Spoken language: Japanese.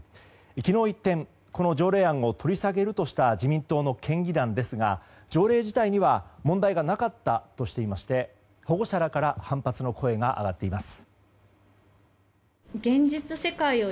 昨日一転、この条例案を取り下げるとした自民党の県議団ですが条例自体には問題がなかったとしていまして保護者らから反発の声が上がっています。